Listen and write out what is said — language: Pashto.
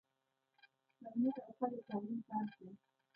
پر نر او ښځه تعلیم فرض دی